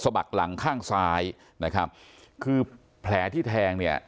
บักหลังข้างซ้ายนะครับคือแผลที่แทงเนี่ย